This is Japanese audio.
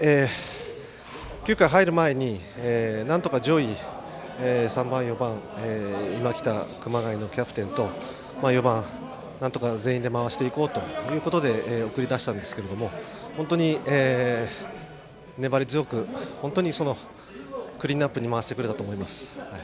９回入る前になんとか上位、３番、４番今北、熊谷に回していこうということで送り出したんですが本当に粘り強くクリーンナップに回してくれたと思います。